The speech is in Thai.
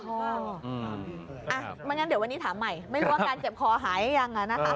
ไม่งั้นเดี๋ยววันนี้ถามใหม่ไม่รู้ว่าอาการเจ็บคอหายหรือยัง